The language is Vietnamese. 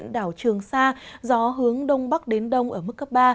đường xa gió hướng đông bắc đến đông ở mức cấp ba